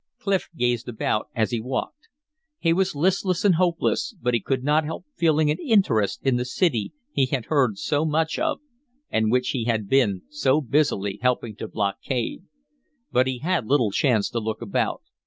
Clif gazed about him as he walked. He was listless and hopeless, but he could not help feeling an interest in the city he had heard so much of and which he had been so busily helping to blockade. But he had little chance to look about.